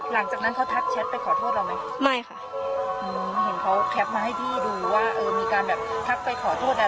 หลังจากนั้นเขาทักแชทไปขอโทษเราไหมไม่ค่ะอืมเห็นเขาแคปมาให้พี่ดูว่าเออมีการแบบทักไปขอโทษอะไร